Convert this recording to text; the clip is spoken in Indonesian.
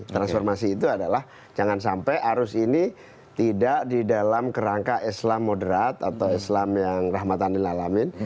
transformasi itu adalah jangan sampai arus ini tidak di dalam kerangka islam moderat atau islam yang rahmatanil alamin